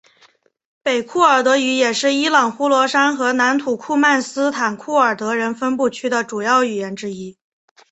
北库尔德语也是伊朗呼罗珊和南土库曼斯坦库尔德人分布区的主要语言之一。